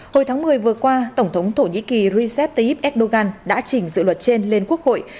hồi tháng một mươi vừa qua tổng thống thổ nhĩ kỳ recep tayyip erdogan đã chỉnh dự luật trên lên quốc hội